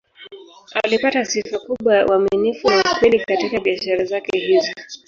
Alipata sifa kubwa ya uaminifu na ukweli katika biashara zake hizi.